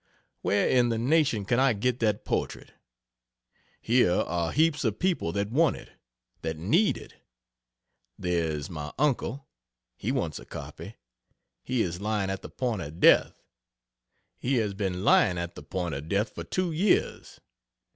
Where in the nation can I get that portrait? Here are heaps of people that want it, that need it. There is my uncle. He wants a copy. He is lying at the point of death. He has been lying at the point of death for two years.